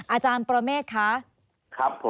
อาจารย์พรเมฆนะครับ